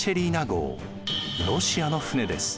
ロシアの船です。